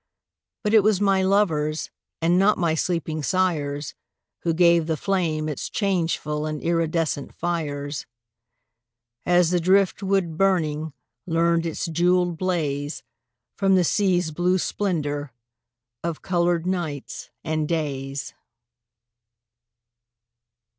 But it was my lovers, And not my sleeping sires, Who gave the flame its changeful And iridescent fires; As the driftwood burning Learned its jewelled blaze From the sea's blue splendor Of colored nights and days.